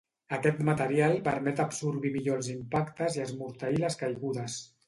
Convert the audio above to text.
Aquest material permet absorbir millor els impactes i esmorteir les caigudes.